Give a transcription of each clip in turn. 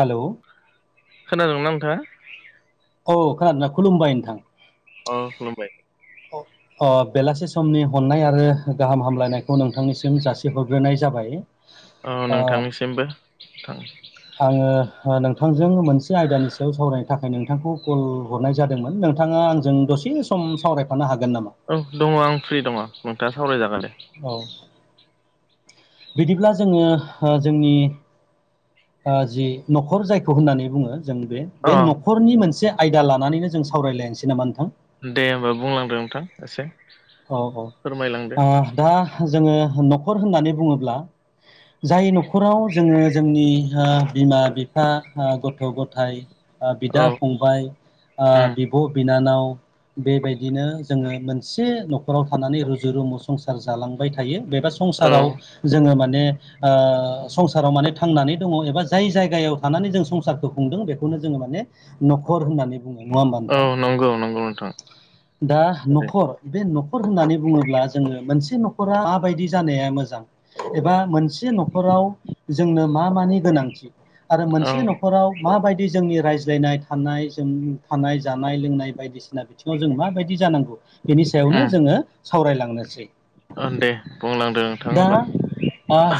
Hello खोनादोंना नोंथाङा औ खोनादोंना खुलुमबाय नोंथां अ खुलुमबाय। बेलासे समनि हननाय आरो गाहाम हामलायनायखौ नोंथांनिसिम जासिहरग्रोनाय जाबाय अ ओ नोंथांनिसिमबो नोंथां आङो ओ नोंथांजों मोनसे आयदानि सायाव सावरायनो थाखाय नोंथांखौ कल हरनाय जादोंमोन नोंथाङा आंजों दसे सम सावरायफानो हागोन नामा औ दङ आं फ्रि दङ नोंथां सावरायजागोन दे औ बिदिब्ला जोङो ओ जोंनि जि न'खर जायखौ होननानै बुङो जों बे अ बे न'खरनि मोनसे आयदा लानानैनो जों सावरायलायनोसै नामा नोंथां दे होमबा बुंलांदो नोंथां एसे। औ फोरमायलांदो औ दा जोङो न'खर होननानै बुङोब्ला। जाय न'खराव जोङो जोंनि बिमा बिफा गथ' गथाय। बिदा औ फंबाय उम बिब' बिनानाव बेबायदिनो जोङो मोनसे न'खराव थानानै रुजु रुमु संसार जालांबाय थायो। बेबा औ संसाराव जोङो मान ने संसाराव माने थांनानै दङ एबा जाय जायगायाव थानानै जों संसारखौ खुंदों बेखौ।। जों माने न'खर होननानै बुङो नङा होमबा औ नोंथां नंगौ नंगौ नोंथां दा थारैनो न'खर। बे नखर होननानै बुङोब्ला जोङो मोनसे न'खरा मा बायदि जानाया मोजां एबा मोन मोनसे नखराव जोंनो मा मानि गोनांथि आरो औ मोनसे नख'राव माबायदि बिदि जोंनि रायज्लायनाय थानाय जों थानाय जानाय लोंनाय बायदिसिना बिथिङाव जों माबायदि जानांगौ। बिनि सायावनो उम जोङो सावरायलांनोसै। ओ दे बुंलांदो नोंथां दा होमबा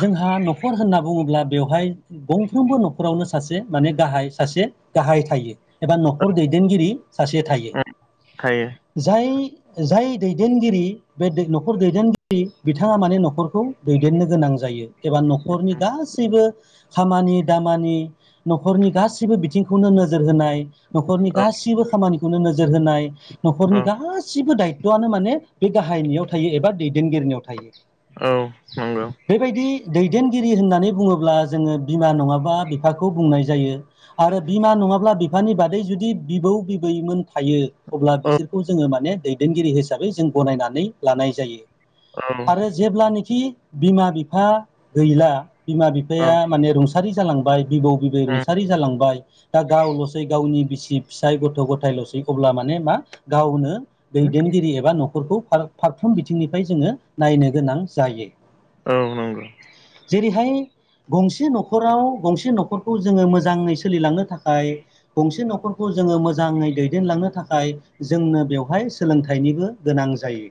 जोंहा न'खर होनना बुङोब्ला। ब्ला बेवहाय गंफ्रोमबो न'खरावनो सासे माने गाहाय सासे गाहाय थायो। एबा न'खर दैदेनगिरि सासे थायो उम थायो जाय। जाय दैदेनगिरि बे न'खर दैदेनगिरि बिथाङा माने नखर नखरखौ दैदेननो गोनां जायो एबा न'खरनि गासैबो। खामानि दामानि न'खरनि गासैबो बिथिंखौनो नोजोर होनाय। न'खरनि औ गासिबो खामानिखौनो नोजोर होनाय औ न'खरनि गासिबो दायथ'आनो माने बे गाहायनियाव थायो एबा दैदेनगिरिनियाव थायो। औ नंगौ बेबायदि दैदेन रि होननानै बुङोब्ला जोङो बिमा नङाबा बिफाखौ बुंनाय जायो आरो बिमा नङाब्ला। बिफानि बादै जुदि बिबौ बिबैमोन थायो अब्ला औ बिसोरखौ जोङो माने दैदेनगिरि हिसाबै जों गनायनानै लानाय जायो। औ आरो जेब्लानोाखि बिमा बिफा गैला बिमा औ बिफाया माने रुंसारि जालांबाय। बिबौ बिबै रुंसारि जालांबाय दा गावलसै गावनि बिसि फिसाय गथ गथायलसै अब्ला माने मा गावनो उम दैदेनगिरि एबा नखर। खौ फारफ्रोम बिथिंनिफ्राय जोङो नायनो गोनां जायो। औ नंगौ जेरैहाय गंसे नखराव गंसे नखरखौ जोङो मोजाङै सोलिलांनो थाखाय गंसे नखरखौ खौ जोङो मोजाङै दैदेनलांनो थाखाय जोंनो बेवहाय सोलोंथाइनिबो गोनां जायो।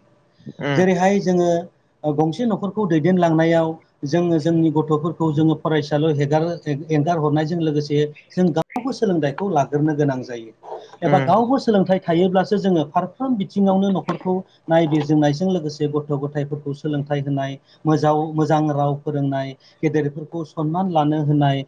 उम जेरैहाय जोङो गंसे नखरखौ दैदेनलांनायाव जोङो जोंनि गथफोरखौ जोङो फरायसालयाव हेगार एंगार हरनायजों लोगोसे जों गाव गबो सोलोंथाइखौ लाग्रोनो गोनां जायो। एबा उम गावबो सोलोंथाइ थायोब्लासो जोङो फारफ्राम बिथिङावनो नखरखौ नायबिजिरनायजों लोगोसे गथ' गथायफोरखौ। सोलोंथाइ होनाय मोज मोजां राव फोरोंनाय गेदेरफोरखौ सनमान लानो होनाय।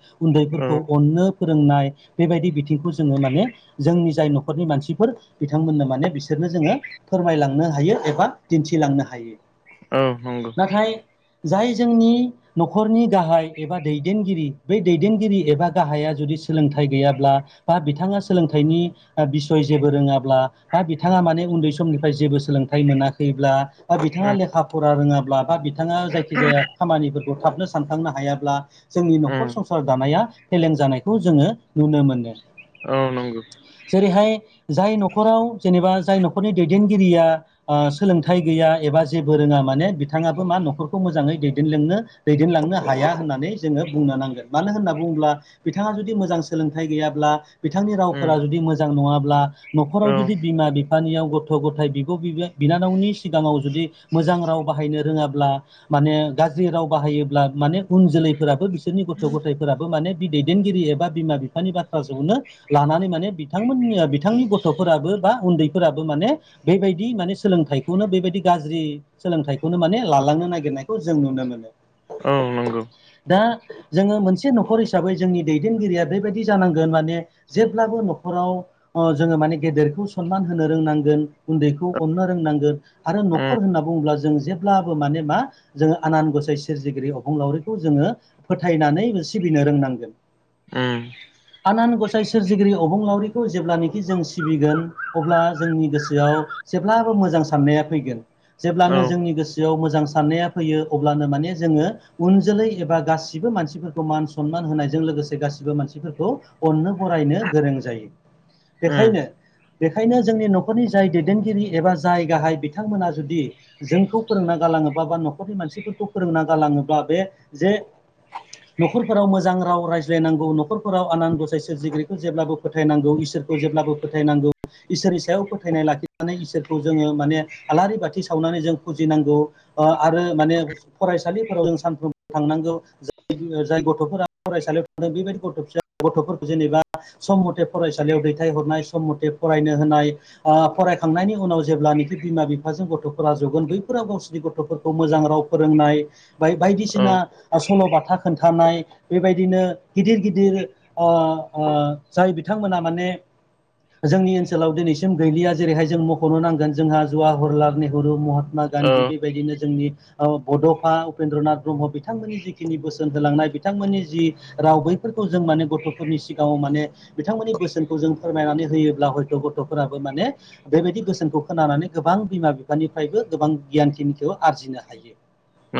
औ उन्दैफोरखौ अननो। फोरोंनाय बेबायदि बिथिंखौ जोङो माने जोंनि जाय न'खरनि मानसिफोर बिथांमोननो माने बिसोर नो जोङो फोरमायलांनो हायो एबा दिन्थिलांनो हायो। औ नंगौ नाथाय जाय जोंनि नखरनि गाहाय एबा दैदेनगिरि बै दैदेनगिरि एबा गाहाया जुदि। सोलोंथाइ गैयाब्ला बा बिथाङा सोलोंथाइनि बिसय जेबो रोङाब्ला बा बिथाङा माने। उन्दै समनिफ्राय जेबो सोलोंथाइ मोनाखैब्ला बा बिथाङा उम लेखा फरा रोङाब्ला बा बिथाङा जायखि जाया खामानिफोरखौ ब थाबनो सानखांनो हायाब्ला जोंनि नखर उम संसार दानाया। फेलें जानायखौ जोङो नुनो मोनो औ नंगौ जेरैहाय जाय नख'राव जेनेबा जाय नख'रनि दैदेनगिरिया सोलोंथाइ गैया एबा जे फोर रोङा माने बिथाङाबो मा नख'रखौ मोजाङै दैदेननो दैदेनलांनो हाया होननानै जोङो बुंनो नाङ मानो होनना बुङोब्ला बिथाङा जुदि मोजां सोलोंथाइ गैयाब्ला बिथांनि उम रावफोरा जुदि मोजां नङाब्ला न'खराव औ जुदि बिमा बि बिानियाव गथ गथाय बिब बिनानावनि सिगाङाव जुदि मोजां राव बाहायनो रोङाबा माने गाज्रि राव बाहायोब्ला माने उन जोलैफोराबो बिसोरनि गथ' गथायफोराबो माने दैदेनगिरि एबा बिमा बिफानि बाथ्रााजोंनो लानानै माने बिथांमोन बिथांनि गथ'फोराबो बा उन्दैफोराबो माने बेबायदि माने सोलोंथाइखौनो बेबायदि गाज्रि सोलोंथाइखौनो माने लालांनो नागिरनायखौ जों नुनो मोनो औ नंगौ जोङो मोनसे नखर हिसाबै जोंनि दैदेनगिरिया बेबायदि जानांगोन माने जेब्लाबो न'खराव जोङो माने गेदेरखौ सनमान होनो रोंनांगोन उन्दैखौ अमनो रोंनांगोन आरो नखर उम होनना बुङोब्ला जों जेब्लाबो माने मा जोङो आनान गसाइ सोरजिगिरि अफंलावरिखौ जोङो फोथायनानै सिबिनो रोंनांगोन ओ आनान गसाइ सोरजिगिरि अबंलावरिखौ जेब्लानखि जों सिबिगोन अब्ला जोंनि गोसोआव जेब्लाबो मोजां साननाया फैगोन औ जेब्लानो जोंनि गोसोआव मोजां मोजां साननाया फैयो अब्लानो माने जोङो उन जोलै एबा गासिबो मानसिफोरखौ मान सनमान होनाय जायो जों लोगोसे गासिबो मानसिफोरखौ अननो बरायनो गोरों जायो उम बेखायनो बेखायनो जोंनि नखरनि जाय दैदेनगिरि एबा जाय गाहाय बिथांमोना जुदि जोंखौ फोरोंना गालाङोब्ला बा नखरनि मानसिफोरखौ फोरोंना गालाङोब्ला बे जे नखरफोराव मोजां राव रायज्लायनांगौ नखरफोराव आनान गसाय सोरजिगिरिखौ जेब्लाबो फोथायनांगौ इसोर जेब्लाबो फोथायनांगौ इसोरनि सायाव फोथायनाय लाखिनानै इसोरखौ जोङो माने आलारि बाथि सावनानै जों फुजिनांगौ आरो माने फरायसालिफोराव जों सानफ्रोमबो थांनांगौ जाय गथफोरा फरायसालियाव थांदों बेबायदि गथसा गथफोरखौ जेनेबा सम मथे फरायसालियाव दैथायहरनाय सम मथे फरायनो होनाय फरायखांनायनि उनाव जेब्लानिखि बिमा बिफाजों गथ' जगोन बैफोरा गावसिरनि गथ'फोरखौ मोजां राव फोरोंनाय बा औ बायदिसिना सल'बाथा खोन्थानाय बेबायदिनो गिदिर गिदिर ओ जाय बिथांमोना माने जोंनि ओनसोलाव दिनैसिम गैलिया जेरैहाय जों मख'नो नांगोन जोंहा जवारलाल नेहुरु महात्मा औ गान्धी बेबायदिनो जोंनि बड'फा उपेन्द्रनाथ ब्रह्म बिथांमोननि जिखिनि बोसोन होलांनाय बिथांमोननि जि राव बैफोरखौ जों माने गथ'फोरनि सिगाङाव माने बिथांमोननि बोसोनखौ जों फोरमायनानै होयोब्ला हयथ' गथ' फोराबो माने बेबायदि बोसोनखौ खोनानानै गोबां बिमा बिफा बिफानिफ्रायबो गोबां गियानखिनिखौ आरजिनो हायो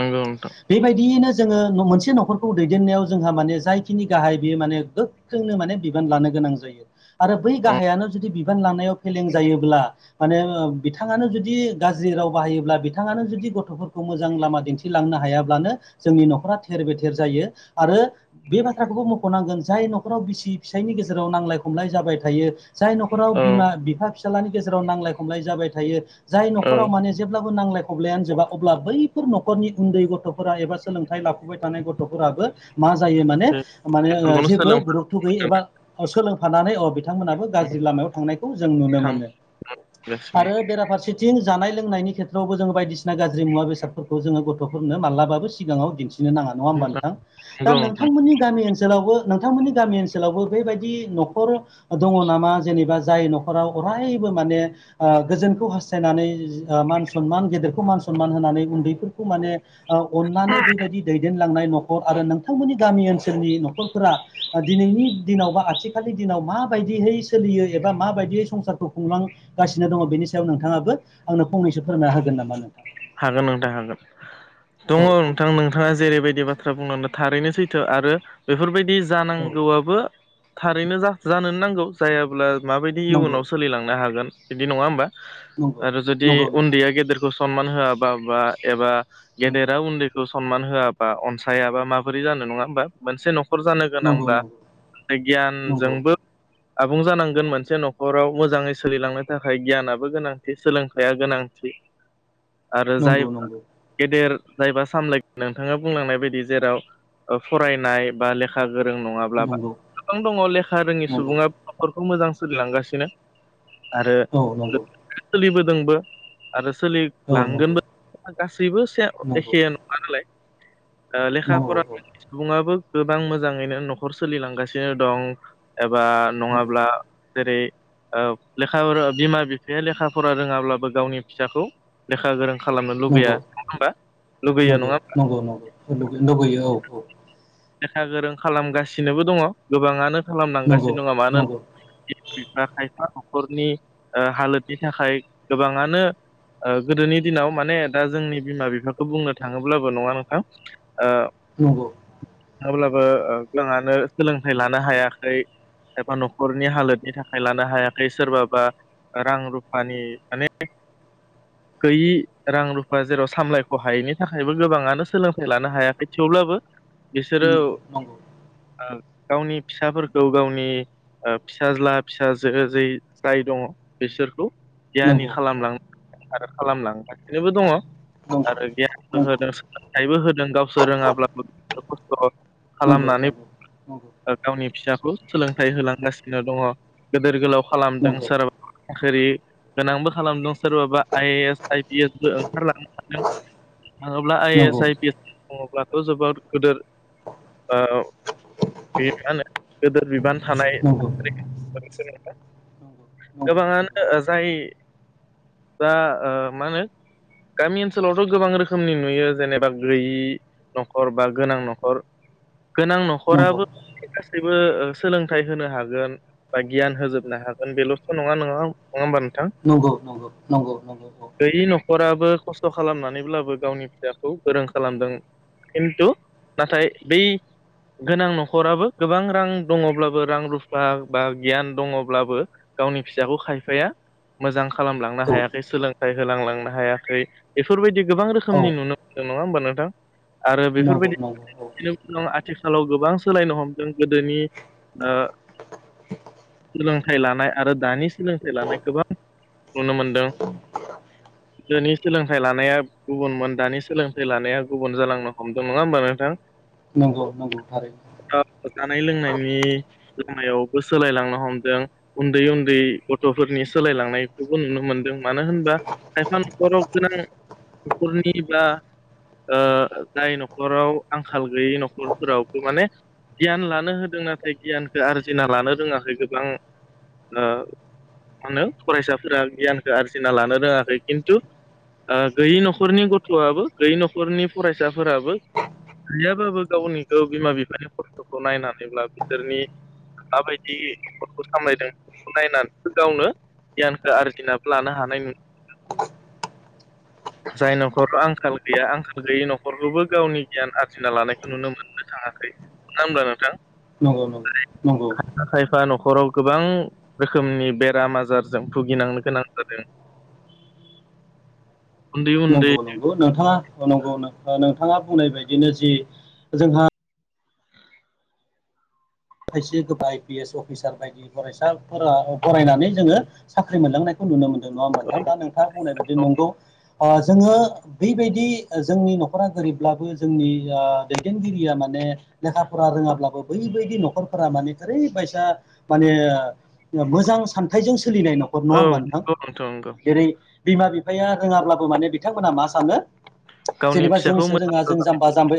नंगौ नोंथां बेबायदियैनो जोङो मोनसे न'खरखौ दैदेननायाव जोंहा माने जायखिनि गाहाय बेयो माने गोख्रोंनो माने बिबान लानो गोनां जायो आरो बै औ गाहायानो जुदि बिबान लानायाव फेलें जायोब्ला माने बिथाङानो जुदि गाज्रि राव बाहायोब्ला बिथाङानो जुदि गथ'फोरखौ मोजां लामा दिन्थिलांनो हायाब्लानो जोंनि न'खरा थेर बेथेर जायो आरो बे बाथ्राखौबो मख'नांगोन जाय न'खराव बिसि फिसायनि गेजेराव नांलाय खमलाय जाबाय थायो जाय न'खराव औ बिमा बिफा फिसालानि गेजेराव नांलाय खमलाय जाबाय थायो जाय औ नख'राव माने जे जेब्लाबो नांलाय खबलायानो जोबा अब्ला बैफोर न'खरनि उन्दै गथ'फोरा एबा सोलोंथाइ लाफुबाय थानाय गथ'फोराबो मा जायो माने बे माने बेफोरखौनो जेबो गुरुक्थ' गैयै एबा सोलोंफानांगोन सोलोंफानानै अ बिथांमोनाबो उम गाज्रि लामायाव थांनायखौ जों नुनो थां मोनो गासिनो आरो बेराफारसेथिं जानाय लोंनायनि खेथ्रआवबो जोङो बायदिसिना गाज्रि मुवा बेसादफोरखौ जोङो गथ'फोरनो मालाबाबो सिगाङाव दिन्थि नो नाङा नङा होमबा नोंथां दा नंगौ नोंथां नोंथांमोननि गामि ओनसोलावबो नोंथांमोननि गामि ओनसोलावबो बेबायदि न'खर दङ नामा जेनेबा जाय न'खराव अरायबो माने ओ गोजोनखौ हास्थायनानै मान सनमान गेदेरखौ मान सनमान होनानै उन्दैफोरखौ माने अननानै बेबायदि दैदेन लांनाय न'खर आरो नोंथांमोननि गामि ओनसोलनि न'खरफोरा दिनैनि दिनाव बा आथिखालनि दिनाव माबायदियै सोलियो एबा माबायदियै संसारखौ खुंलांगासिनो दङ बेनि सायाव नोंथाङाबो आंनो फंनैसो फोरमायना होगोन नामा नोंथां? हागोन नोंथां हागोन दङ औ औ नोंथां नोंथाङा जेरैबायदि बाथ्रा बुंनानै थारैनो सैथो आरो बेफोरबायदि औ जानांगौआबो थारैनो जानोनो नांगौ जायाब्ला माबायदि नंगौ इयुनाव सोलिलांनो हागोन बिदि नङा होमबा? आरो जुदि नंगौ नंगौ उन्दैया गेदेरखौ सनमान होआबा बा एबा नंगौ गेदेरा उन्दैखौ सनमान होआबा अनसायाबा माबोरै जानो नङा होमबा मोनसे न' न'खर जानो नंगौ गोनांब्ला नंगौ गियानजोंबो आबुं जानांगोन मोनसे न'खराव मोजाङै सोलिलांनो थाखाय गियानाबो गोनांथि सोलोंथाइया गोनांथि। [inaudible] आरो जाय नंगौ नंगौ गेदेर जायबा सामलाय नोंथाङा बुंलांनाय बायदि जेराव फरायनाय बा लेखा गोरों नङाब्ला नंगौ गोबां दङ लेखा रोङि नंगौ सुबुङा न'खरखौ मोजां सोलिलांगासिनो आरो औ नंगौ सोलिबोदोंबो आरो सोलि औ नंगौ लांगोनबो गासैबो नंगौ एखे नङा नालाय। लेखा नंगौ औ फरानि सुबुङाबो गोबां मोजाङैनो न'खर सोलिलांगासिनो दं। एबा नंगौ नङाब्ला जेरै ओ लेखा बिमा बिफाया लेखा फरा रोङाब्लाबो गावनि फिसाखौ लेखा गोरों खालामनो लुगैया नंगौ नङा होमबा लुगैयो नंगौ नङा होमबा? नंगौ नंगौ लुगैयो औ औ लेखा गोरों खालामगासिनोबो दङ गोबाङानो नंगौ खालामलांगासिनो दङ नंगौ मानोना बिमा बिफा खायफा न'खरनि हालोदनि थाखाय गोबाङानो ओ गोदोनि दिनाव माने दा जोंनि बिमा बिफाखौ बुंनो थाङोब्लाबो नङा नोंथां? ओ नंगौ। थाबब्लाबो गोाङांनो सोलोंथाइ लानो हायाखै एबा न'खरनि हालोदनि थाखाय लानो हायाखै सोरबाबा रां रुफानि माने [inaudible] गैयि रां रुफा जेराव सामलायख' हायैनि थाखायबो गोबाङानो सोलोंथाइ लानो हायाखै थेव अब्लाबो बिसोरो नंगौ नंगौ ओ गावनि फिसाफोरखौ गावनि फिसाज्ला फिसाजो जाय दंङो बिसोरखौ गियानि नंगौ नंगौ खालामलां आरो खालामलांबाय बेनोबो दंङ आरो गियानबो नंगौ होदों सोलोंथाइबो होदों गावसोर रोंङाब्लाबो खस्थ' नंगौ नंगौ खालामनानै गावनि फिसा सोलोंथाइ होलांगासिनो दङ गोदोर गोलाव खालामदों सोराव होरि गोनांबो खालामदों सोरबाबा आइ ए एस आइ पि एसबो ओंखारलांनो हादों थाङोब्ला I S I P S दंङोब्लाथ' जोबोद गोदिर बे मा होनो गोदिर बिबान थानाय नंगौ नंगौ गोबांङानो जाय दा ओ मानो गामि ओनसोलावथ' गोबां रोखोमनि नुयो जेनेबा गैयि न'खर बा गोनां न'खर गोनां नंगौ न'खराबो गासैबो बो सोलोंथाइ होनो हागोन बा गियान होजोबनो हागोन बेल'थ' नंङा नोंङा नङा होमबा नोंथां नंगौ नंगौ नंगौ नंगौ गैयि न'खराबो खस्थ' खस्थ' खालामनानैब्लाबो गावनि फिसाखौ गोरों खालामदों खिन्थु नाथाय बै गोनां न'खराबो गोबां रां दङब्लाबो रां रुफा बा गियान दंङोब्लाबो गावनि फिसाखौ खायफाया मोजां खालामलांनो औ हायाखै सोलोंथाइ होलांलांनो हायाखै बेफोरबायदि गोबां औ रोखोमनि नुनो जों नङा होमबा नोंथां आरो नंगौ बेफोरबायदि नंगौ औ आथिखालाव गोबां सोलायनो हमदों गोदोनि ओ सोलोंथाइ लानाय आरो दानि सोलोंथाइ लानाय गोबां नुनो मोनदों [inaudible] गोदोनि सोलोंथाइ लानाया गुबुनमोन दानि सोलोंथाइ लानाया गुबुन जालांनो हमदों नङा होमबा नो नंगौ नंगौ थारै दा जानाय लोंनायनि जोंनायायावबो सोलायलांनो हमदों उन्दै उन्दै गथ'फोरनि सोलायलांनायखौबो नुनो मोनदों। मानो होनबा खायफा न'खराव गोनां न'खरनि बा जाय न'खराव आंखाल गैयै न'खरफोरावबो माने गियान लानो होदों नाथाय गियानखौ आरजिना लानो रोङाखै गोबां मानो होनो फरायसाफोरा गियानखौ आरजिना लानो रोङाखै खिन्थु गैयै न'खरनि गथ'आबो गैयै न'खरनि फरायसाफोराबो गैयाबाबो गावनि ग बिमा बिफानि खस्थ'खौ नायनानैब्ला बिसोरनि माबायदि न'खरखौ सामलायदों बेखौ नायनानैगावनो गियानखौ आरजिना लानो हानाय [unintelligible] जाय न'खर आंखाल गैया आंखाल गैयि न'खरखौबो गावनि गियान आ सिना लानायखौ नुनो मोननो थांङाखै मानो होनबब्ला नंगौ नोंथां नंगौ खायफा खायफा नख'र हराव गोबां रोखोमनि बेराम आजारजों भुगिनांनो गोनां जादों। [inaudible] उन्दै उन्दै नंगौ नंगौ नोंथाङा नंगौ नोंथाङा बुंनाय बायदिनो जि जोंहा खायसे गोबां आइ पि एस अफिसार बायदि फरायसाफोरा बरायनानै जोङो साख्रि मोनलांनायखौ नुनो मोनदों नंङा मोनथां दा नोंथाङा बुंनाय बायदि नंगौ जोङो बेबायदि जोंनि नख'र नखरा गोरिबब्लाबो जोंनि दैदेनगिरिया माने लेखा फरा रोङाब्लाबो बैबायदि नख'र नखरफोरा माने ओरैबायदि माने मोजां सानथायजों सोलिनाय नखर औ नङा हबा नोंथां नंगौ नंगौ जेरै बिमा बिफा मफाया रोङाब्लाबो माने बिथांमोनहा मा सानो गावनि जेनेबा फिसाखौ जोंसो मोजां रोङा जों मोजां जाम्बा जाम्बि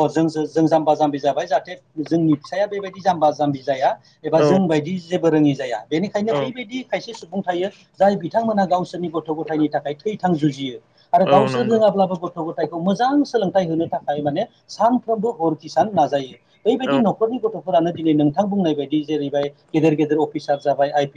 औ जोंसो जों जामबा जाम्बि जाब जाहाथे जोंनि फिसाया बेबायदि जाम्बा जाम्बि जाया एबा औ जोंबायायदि जे रोङि जाया बेनिखायनो औ बैबायदि खायसे सुबुं थ जाय बिथांमोना गावसोरनि गथ गथायनि थाखाय थैथां जुजियो आरो औ गावसोर नंगौ रोङाब्लाबो ग गथ गथायखौ मोजां सोलोंथाइ होनो थाखाय माने सानफ्रोमबो हरखिसान नाजायो औ बैबायदि नख'रनि गथ' फोरानो दिनै नोंथां बुंनाय बायदि जेरैबाय गेदेर गेदेर अफिसार जाबाय आइ पि